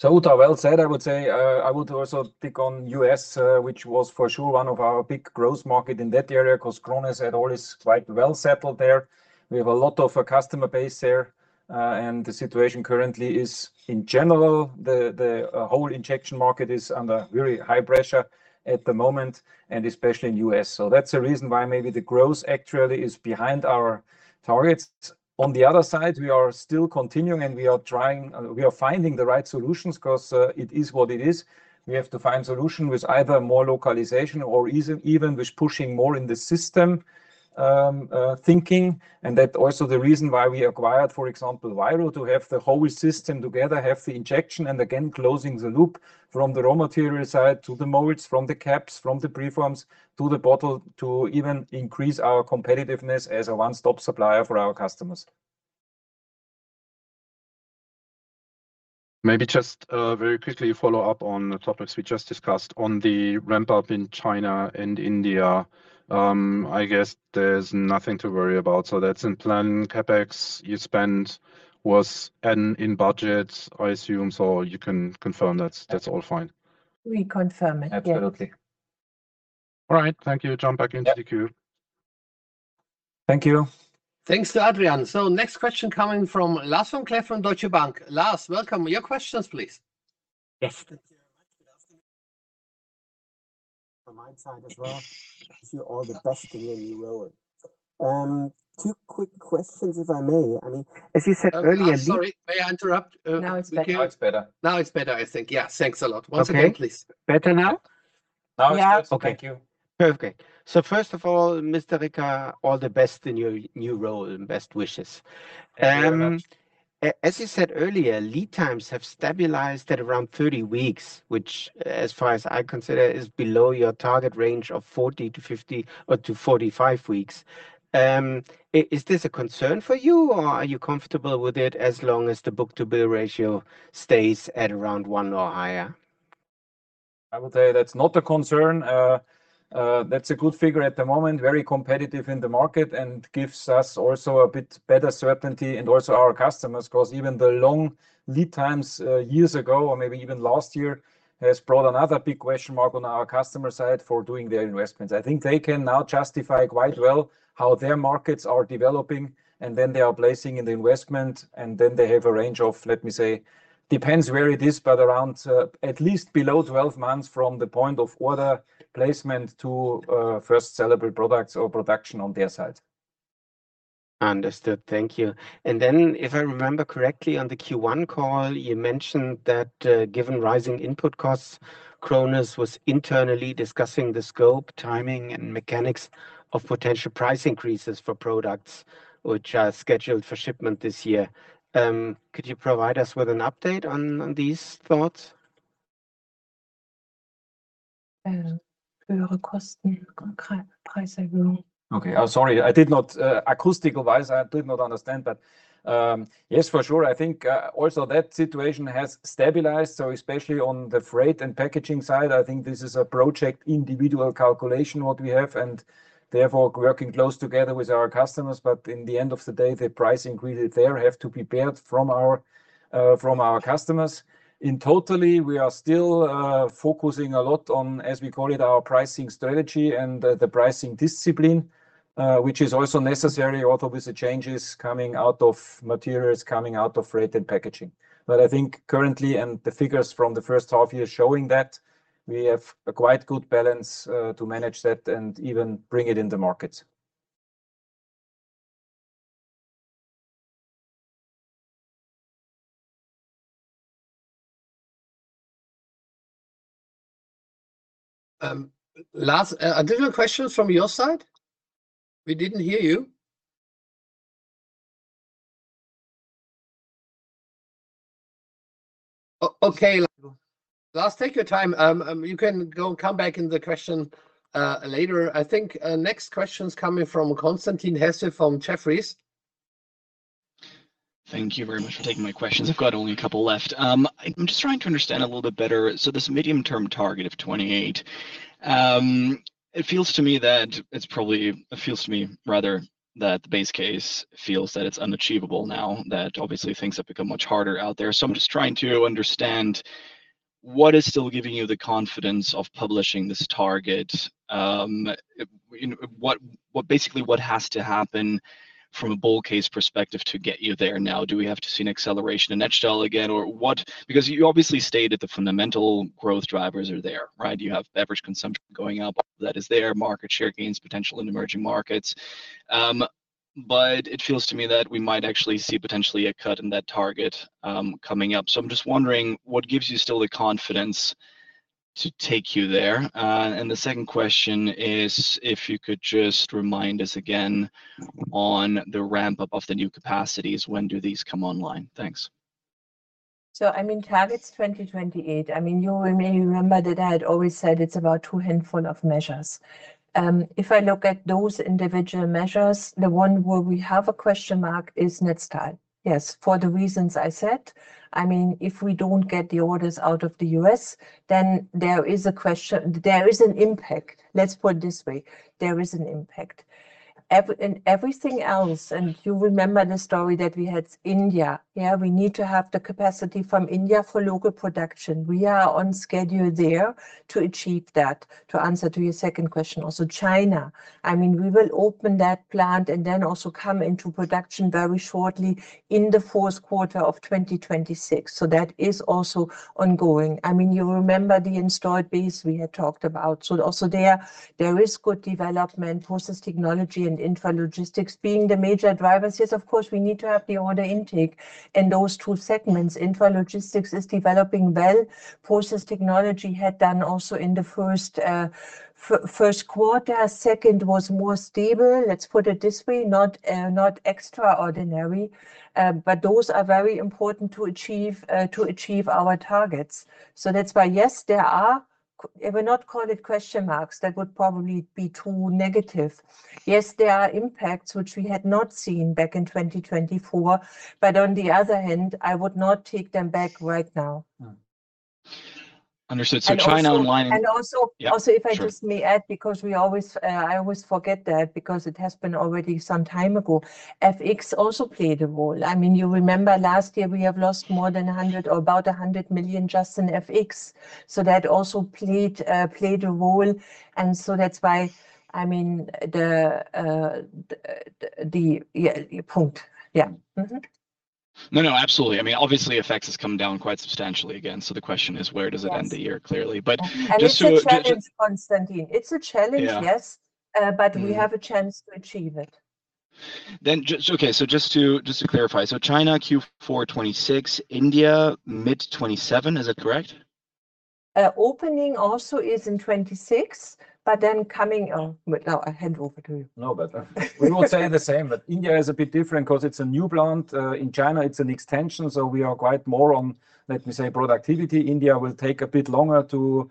Speaker 2: Uta, well said, I would say. I would also pick on U.S., which was for sure one of our big growth market in that area because Krones had always quite well settled there. We have a lot of customer base there. The situation currently is, in general, the whole injection market is under very high pressure at the moment, and especially in the U.S. That's a reason why maybe the growth actually is behind our targets. On the other side, we are still continuing, we are finding the right solutions because it is what it is. We have to find solution with either more localization or even with pushing more in the system thinking, that also the reason why we acquired, for example, WIRO, to have the whole system together, have the injection, and again closing the loop from the raw material side to the molds, from the caps, from the preforms to the bottle to even increase our competitiveness as a one-stop supplier for our customers.
Speaker 7: Maybe just very quickly follow up on the topics we just discussed on the ramp-up in China and India. I guess there's nothing to worry about. That's in plan CapEx you spent was in budget, I assume. You can confirm that's all fine.
Speaker 3: We confirm it. Yes.
Speaker 2: Absolutely.
Speaker 7: All right. Thank you. Jump back into the queue.
Speaker 2: Thank you.
Speaker 1: Thanks to Adrian. Next question coming from Lars Vom Cleff from Deutsche Bank. Lars, welcome. Your questions, please.
Speaker 8: Yes. Thank you very much. Good afternoon from my side as well. Wish you all the best in your new role. Two quick questions, if I may. As you said earlier.
Speaker 1: Sorry, may I interrupt?
Speaker 3: Now it's better.
Speaker 2: Now it's better.
Speaker 1: Now it's better, I think. Yeah. Thanks a lot. Once again, please.
Speaker 8: Okay. Better now?
Speaker 2: Now it's good. Thank you.
Speaker 8: Perfect. First of all, Mr. Ricker, all the best in your new role, and best wishes. As you said earlier, lead times have stabilized at around 30 weeks, which as far as I consider, is below your target range of 40-50 or 45 weeks. Is this a concern for you or are you comfortable with it as long as the book-to-bill ratio stays at around one or higher?
Speaker 2: I would say that's not a concern. That's a good figure at the moment, very competitive in the market, and gives us also a bit better certainty and also our customers, because even the long lead times years ago, or maybe even last year, has brought another big question mark on our customer side for doing their investments. I think they can now justify quite well how their markets are developing and when they are placing in the investment, and then they have a range of, let me say, depends where it is, but around at least below 12 months from the point of order placement to first sellable products or production on their side.
Speaker 8: Understood. Thank you. If I remember correctly, on the Q1 call, you mentioned that given rising input costs, Krones was internally discussing the scope, timing, and mechanics of potential price increases for products which are scheduled for shipment this year. Could you provide us with an update on these thoughts?
Speaker 2: Okay. Sorry. Acoustical-wise, I did not understand, but yes, for sure. I think also that situation has stabilized, so especially on the freight and packaging side, I think this is a project individual calculation, what we have, and therefore working close together with our customers. In the end of the day, the price increase there have to be paired from our customers. In totally, we are still focusing a lot on, as we call it, our pricing strategy and the pricing discipline, which is also necessary. With the changes coming out of materials, coming out of freight and packaging. I think currently, and the figures from the first half year showing that we have a quite good balance to manage that and even bring it in the market.
Speaker 1: Lars, additional questions from your side? We didn't hear you. Okay. Lars, take your time. You can come back in the question later. I think next question is coming from Constantin Hesse from Jefferies.
Speaker 9: Thank you very much for taking my questions. I've got only a couple left. I'm just trying to understand a little bit better. This medium-term target of 2028. It feels to me, rather, that the base case feels that it's unachievable now that obviously things have become much harder out there. I'm just trying to understand what is still giving you the confidence of publishing this target. Basically what has to happen from a bull case perspective to get you there now? Do we have to see an acceleration in Netstal again or what? Because you obviously stated the fundamental growth drivers are there, right? You have beverage consumption going up, that is there. Market share gains potential in emerging markets. It feels to me that we might actually see potentially a cut in that target coming up. I'm just wondering what gives you still the confidence to take you there? The second question is if you could just remind us again on the ramp-up of the new capacities, when do these come online? Thanks.
Speaker 3: Targets 2028. You may remember that I had always said it's about two handful of measures. If I look at those individual measures, the one where we have a question mark is Netstal. Yes, for the reasons I said. If we don't get the orders out of the U.S., then there is an impact. Let's put it this way, there is an impact. In everything else, you remember the story that we had India. We need to have the capacity from India for local production. We are on schedule there to achieve that, to answer to your second question. China, we will open that plant and then also come into production very shortly in the fourth quarter of 2026. That is also ongoing. You remember the installed base we had talked about. Also there is good development, Process Technology and Intralogistics being the major drivers. Of course, we need to have the order intake in those two segments. Intralogistics is developing well. Process Technology had done also in the first quarter. Second was more stable, let's put it this way, not extraordinary. Those are very important to achieve our targets. That's why we'll not call it question marks. That would probably be too negative. There are impacts which we had not seen back in 2024, but on the other hand, I would not take them back right now.
Speaker 9: Understood. China online.
Speaker 3: Also.
Speaker 9: Yeah. Sure.
Speaker 3: If I just may add, because I always forget that, because it has been already some time ago, FX also played a role. You remember last year, we have lost more than 100 million or about 100 million just in FX. That also played a role, that's why, the point. Yeah. Mm-hmm.
Speaker 9: No, absolutely. Obviously, FX has come down quite substantially again. The question is, where does it end the year, clearly.
Speaker 3: It's a challenge, Constantin. It's a challenge, yes.
Speaker 9: Yeah. Mm-hmm.
Speaker 3: We have a chance to achieve it.
Speaker 9: Just to clarify, China Q4 2026, India mid 2027, is that correct?
Speaker 3: Opening also is in 2026. Now I hand over to you.
Speaker 2: We would say the same, but India is a bit different because it's a new plant. In China, it's an extension, we are quite more on productivity. India will take a bit longer to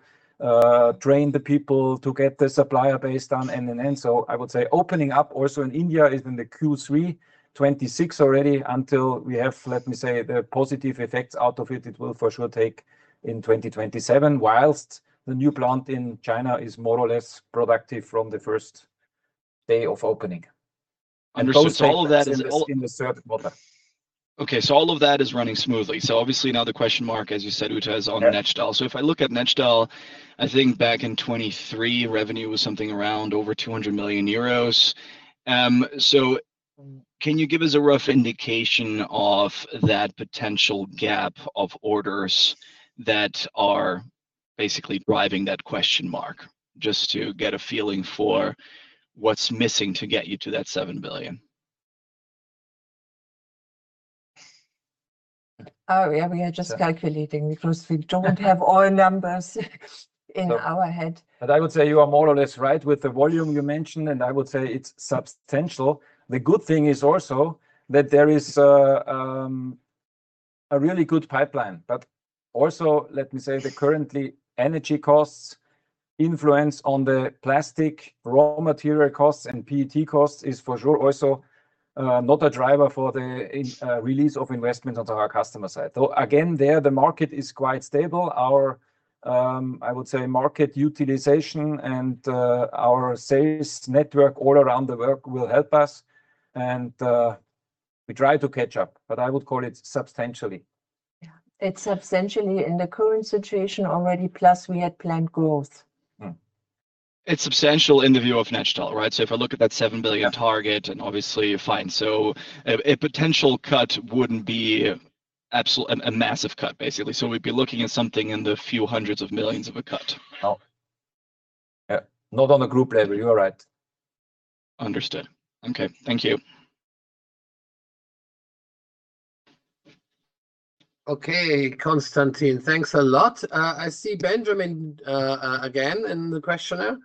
Speaker 2: train the people to get the supplier base done. I would say opening up also in India is in the Q3 2026 already until we have the positive effects out of it. It will for sure take in 2027, while the new plant in China is more or less productive from the first day of opening.
Speaker 9: Understood. All of that.
Speaker 2: Those plants in the third quarter.
Speaker 9: All of that is running smoothly. Obviously now the question mark, as you said, Uta, is on Netstal. If I look at Netstal, I think back in 2023, revenue was something around over 200 million euros. Can you give us a rough indication of that potential gap of orders that are basically driving that question mark, just to get a feeling for what's missing to get you to that 7 billion?
Speaker 3: Yeah. We are just calculating because we don't have all numbers in our head.
Speaker 2: I would say you are more or less right with the volume you mentioned, and I would say it's substantial. The good thing is also that there is a really good pipeline, but also, let me say, the currently energy costs influence on the plastic raw material costs and PET costs is for sure also not a driver for the release of investment onto our customer side. Again, there, the market is quite stable. Our, I would say, market utilization and our sales network all around the world will help us. We try to catch up, but I would call it substantially.
Speaker 3: Yeah. It's substantially in the current situation already, plus we had planned growth.
Speaker 9: It's substantial in the view of Netstal, right? If I look at that 7 billion target, and obviously, fine. A potential cut wouldn't be a massive cut, basically. We'd be looking at something in the few hundreds of millions of a cut.
Speaker 2: No. Not on a group level, you are right.
Speaker 9: Understood. Okay. Thank you.
Speaker 1: Okay, Constantin. Thanks a lot. I see Benjamin again in the questionnaire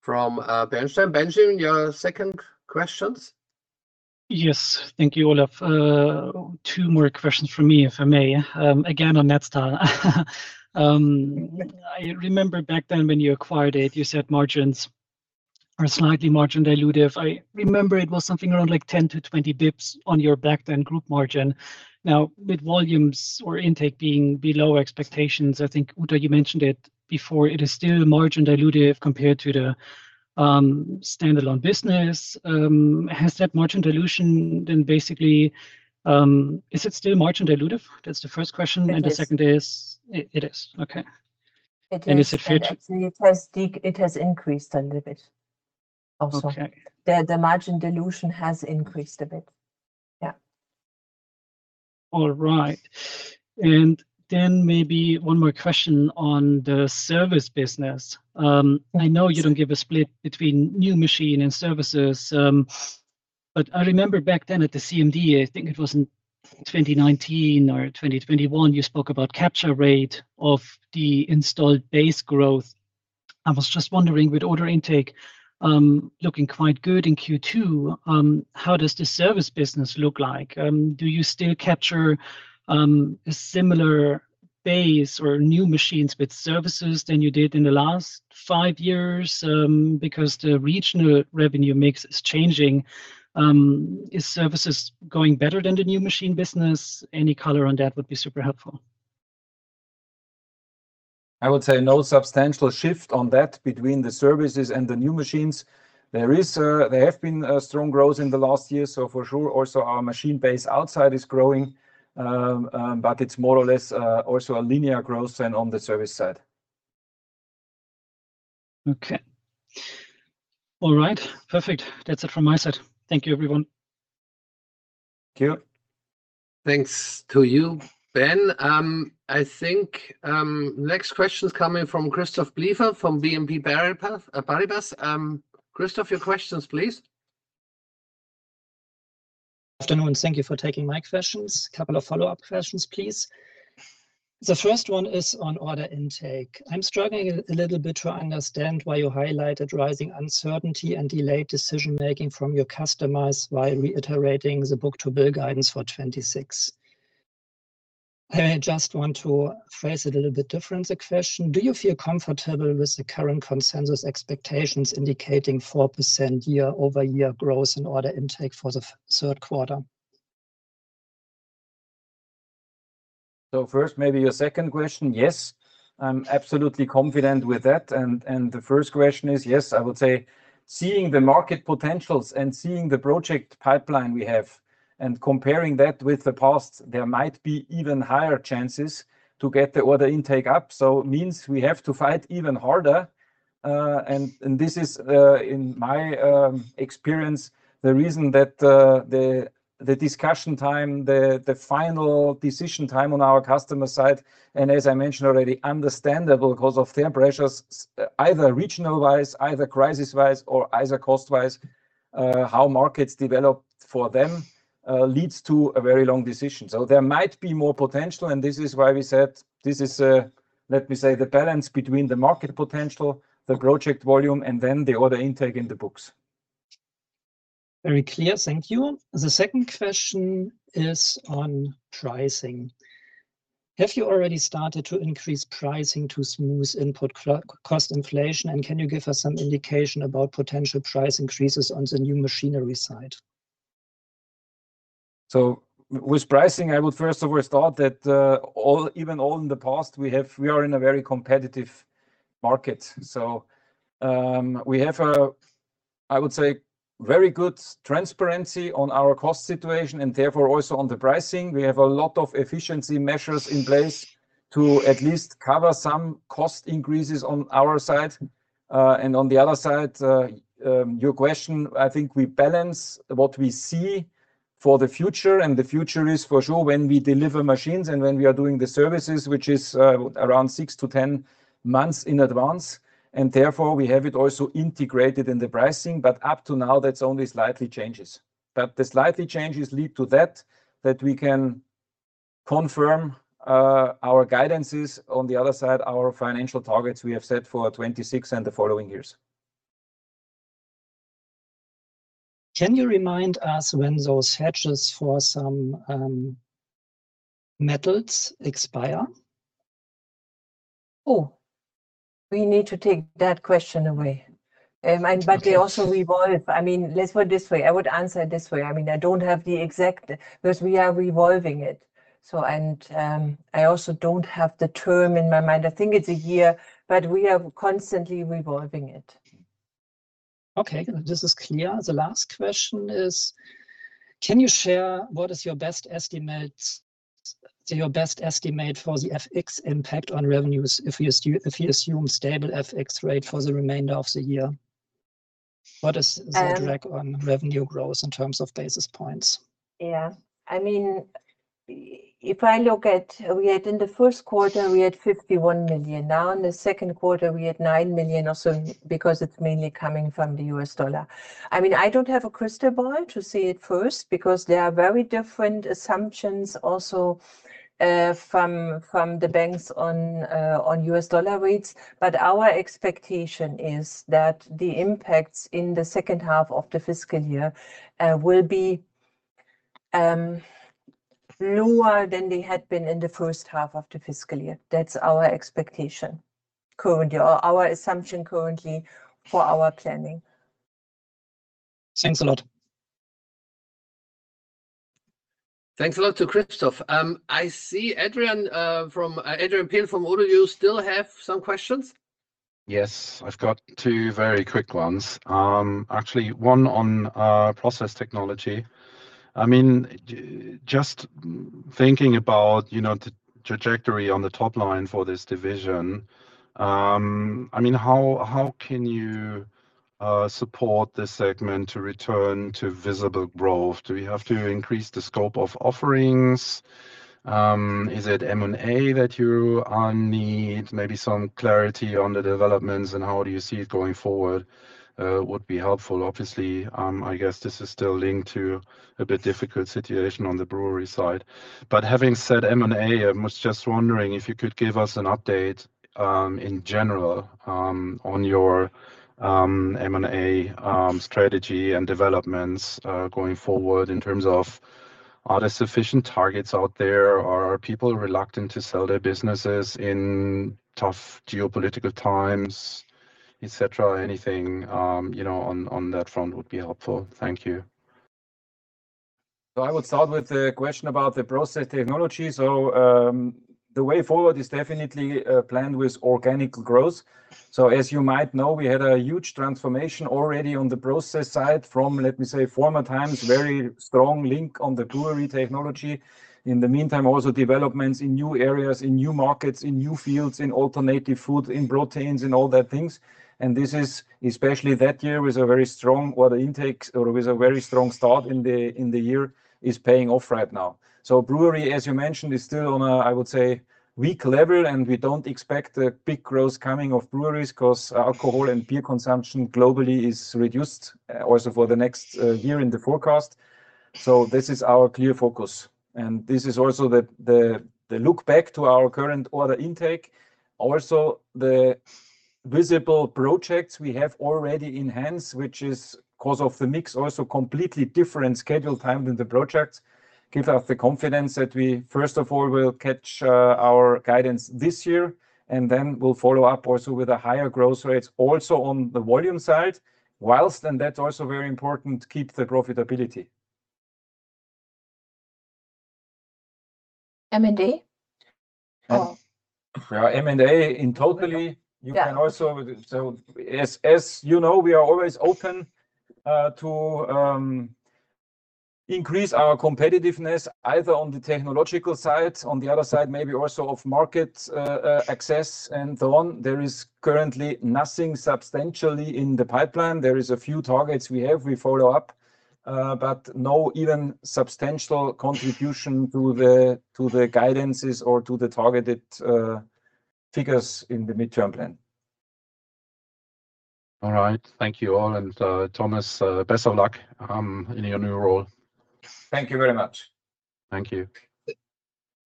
Speaker 1: from Bernstein. Benjamin, your second questions?
Speaker 5: Yes. Thank you, Olaf. Two more questions from me, if I may. Again, on Netstal. I remember back then when you acquired it, you said margins are slightly margin dilutive. I remember it was something around 10 to 20 basis points on your back-end group margin. Now, with volumes or intake being below expectations, I think, Uta, you mentioned it before, it is still margin dilutive compared to the standalone business. Is it still margin dilutive? That's the first question.
Speaker 3: It is.
Speaker 5: The second is. It is? Okay.
Speaker 3: It is.
Speaker 5: Is it?
Speaker 3: Actually it has increased a little bit also.
Speaker 5: Okay.
Speaker 3: The margin dilution has increased a bit. Yeah.
Speaker 5: All right. Maybe one more question on the service business. I know you don't give a split between new machine and services. I remember back then at the CMD, I think it was in 2019 or 2021, you spoke about capture rate of the installed base growth. I was just wondering, with order intake looking quite good in Q2, how does the service business look like? Do you still capture a similar base or new machines with services than you did in the last five years? Because the regional revenue mix is changing. Is services going better than the new machine business? Any color on that would be super helpful.
Speaker 2: I would say no substantial shift on that between the services and the new machines. There has been a strong growth in the last year, so for sure, also our machine base outside is growing, but it's more or less also a linear growth than on the service side.
Speaker 5: Okay. All right, perfect. That's it from my side. Thank you, everyone.
Speaker 2: Thank you.
Speaker 1: Thanks to you, Ben. Next question's coming from Christoph Blieffert from BNP Paribas. Christoph, your questions, please.
Speaker 10: Afternoon. Thank you for taking my questions. Couple of follow-up questions, please. The first one is on order intake. I'm struggling a little bit to understand why you highlighted rising uncertainty and delayed decision-making from your customers while reiterating the book-to-bill guidance for 2026. I just want to phrase it a little bit different, the question. Do you feel comfortable with the current consensus expectations indicating 4% year-over-year growth in order intake for the third quarter?
Speaker 2: First, maybe your second question, yes, I'm absolutely confident with that. The first question is, yes, I would say seeing the market potentials and seeing the project pipeline we have and comparing that with the past, there might be even higher chances to get the order intake up. Means we have to fight even harder. This is, in my experience, the reason that the discussion time, the final decision time on our customer side, and as I mentioned already, understandable because of the pressures, either regional-wise, either crisis-wise, or either cost-wise, how markets develop for them, leads to a very long decision. There might be more potential, and this is why we said this is, let me say, the balance between the market potential, the project volume, and then the order intake in the books.
Speaker 10: Very clear. Thank you. The second question is on pricing. Have you already started to increase pricing to smooth input cost inflation, and can you give us some indication about potential price increases on the new machinery side?
Speaker 2: With pricing, I would first always thought that even all in the past, we are in a very competitive market. We have a, I would say, very good transparency on our cost situation and therefore also on the pricing. We have a lot of efficiency measures in place to at least cover some cost increases on our side. On the other side, your question, I think we balance what we see for the future, and the future is for sure when we deliver machines and when we are doing the services, which is around 6-10 months in advance. Therefore, we have it also integrated in the pricing. Up to now, that's only slightly changes. The slightly changes lead to that we can confirm our guidances, on the other side, our financial targets we have set for 2026 and the following years.
Speaker 10: Can you remind us when those hedges for some metals expire?
Speaker 3: Oh, we need to take that question away. They also revolve. Let's put it this way. I would answer it this way. I don't have the exact, because we are revolving it. I also don't have the term in my mind. I think it's a year, but we are constantly revolving it.
Speaker 10: This is clear. The last question is, can you share what is your best estimate for the FX impact on revenues if you assume stable FX rate for the remainder of the year? What is the drag on revenue growth in terms of basis points?
Speaker 3: If I look at, we had in the first quarter, we had 51 million. Now, in the second quarter, we had 9 million or so because it's mainly coming from the U.S. dollar. I don't have a crystal ball to see it first because there are very different assumptions also from the banks on U.S. dollar rates. Our expectation is that the impacts in the second half of the fiscal year will be lower than they had been in the first half of the fiscal year. That's our expectation currently, or our assumption currently for our planning.
Speaker 10: Thanks a lot.
Speaker 1: Thanks a lot to Christoph. I see Adrian Pehl from ODDO, you still have some questions?
Speaker 7: Yes. I've got two very quick ones. Actually, one on Process Technology. Just thinking about the trajectory on the top line for this division, how can you support this segment to return to visible growth? Do we have to increase the scope of offerings? Is it M&A that you need? Maybe some clarity on the developments and how do you see it going forward would be helpful. Obviously, I guess this is still linked to a bit difficult situation on the brewery side. Having said M&A, I was just wondering if you could give us an update, in general, on your M&A strategy and developments going forward in terms of Are there sufficient targets out there? Are people reluctant to sell their businesses in tough geopolitical times, et cetera? Anything on that front would be helpful. Thank you.
Speaker 2: I would start with the question about the Process Technology. The way forward is definitely planned with organic growth. As you might know, we had a huge transformation already on the Process side from, let me say, former times, very strong link on the brewery technology. In the meantime, also developments in new areas, in new markets, in new fields, in alternative food and proteins and all that things. This is, especially that year, with a very strong order intakes or with a very strong start in the year is paying off right now. Brewery, as you mentioned, is still on a, I would say, weak level, and we don't expect a big growth coming of breweries because alcohol and beer consumption globally is reduced also for the next year in the forecast. This is our clear focus, and this is also the look back to our current order intake. Also, the visible projects we have already enhanced, which is because of the mix also completely different schedule time than the projects, gives us the confidence that we, first of all, will catch our guidance this year, we'll follow up also with the higher growth rates also on the volume side whilst, and that's also very important, keep the profitability.
Speaker 3: M&A?
Speaker 2: Yeah. M&A.
Speaker 3: Yeah
Speaker 2: As you know, we are always open to increase our competitiveness either on the technological side, on the other side, maybe also of market access and so on. There is currently nothing substantially in the pipeline. There is a few targets we have, we follow up, but no even substantial contribution to the guidances or to the targeted figures in the mid-term plan.
Speaker 7: All right. Thank you all. Thomas, best of luck in your new role.
Speaker 2: Thank you very much.
Speaker 7: Thank you.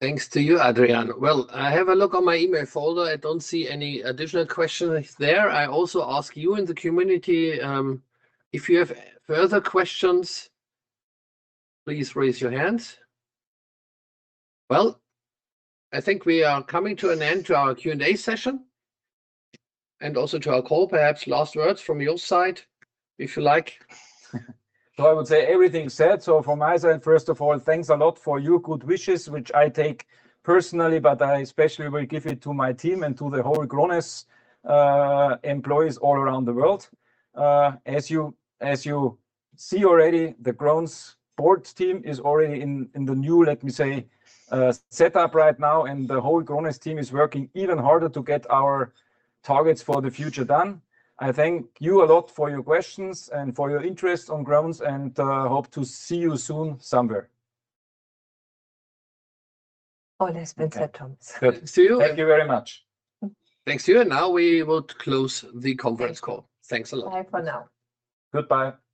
Speaker 1: Thanks to you, Adrian. I have a look on my email folder. I don't see any additional questions there. I also ask you in the community, if you have further questions, please raise your hands. I think we are coming to an end to our Q&A session and also to our call, perhaps last words from your side, if you like.
Speaker 2: I would say everything said. From my side, first of all, thanks a lot for your good wishes, which I take personally, but I especially will give it to my team and to the whole Krones employees all around the world. As you see already, the Krones board team is already in the new, let me say, setup right now, and the whole Krones team is working even harder to get our targets for the future done. I thank you a lot for your questions and for your interest on Krones, and hope to see you soon somewhere.
Speaker 3: All has been said, Thomas.
Speaker 1: Okay. See you.
Speaker 2: Thank you very much.
Speaker 1: Thanks to you. Now we would close the conference call. Thanks a lot.
Speaker 3: Bye for now.
Speaker 2: Goodbye.